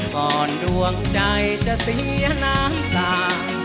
ดวงใจจะเสียน้ำตา